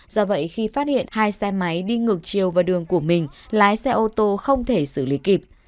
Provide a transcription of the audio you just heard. do vậy khi phát hiện hai xe máy đi ngược chiều vào đường của mình lái xe ô tô không thể xử lý kịp